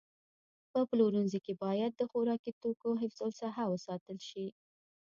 په پلورنځي کې باید د خوراکي توکو حفظ الصحه وساتل شي.